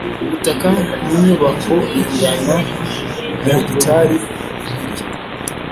Ubutaka n inyubako bingana na hegitari biri